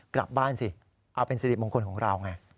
กลับบ้านสิเอาเป็นสิริมงคลของเราไง